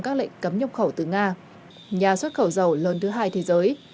các lệnh cấm nhập khẩu từ nga nhà xuất khẩu dầu lớn thứ hai thế giới